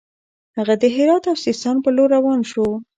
هغه د هرات او سیستان پر لور روان شو.